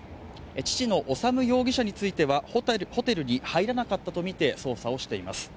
父の修容疑者についてはホテルに入らなかったとみて捜査をしています。